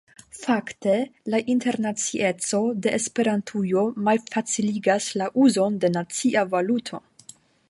Fakte la internacieco de Esperantujo malfaciligas la uzon de nacia valuto.